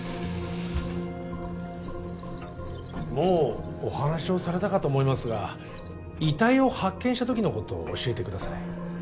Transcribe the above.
もうお話しをされたかと思いますが遺体を発見した時のことを教えてください